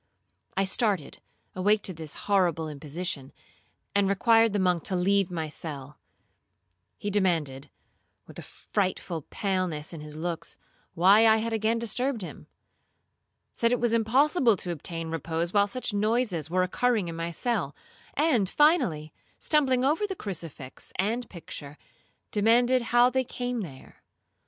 I started, awake to this horrible imposition, and required the monk to leave my cell. He demanded, with a frightful paleness in his looks, why I had again disturbed him? said it was impossible to obtain repose while such noises were occurring in my cell; and, finally, stumbling over the crucifix and picture, demanded how they came there.